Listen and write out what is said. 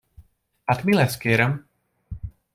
Hát mi lesz, kérem?